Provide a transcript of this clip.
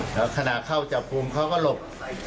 แล้วขณะเข้าจับกลุ่มเขาก็หลบ